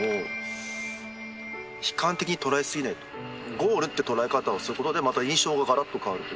ゴールって捉え方をすることでまた印象ががらっと変わると。